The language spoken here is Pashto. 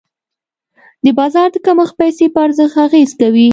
د بازار د کمښت پیسې په ارزښت اغېز کوي.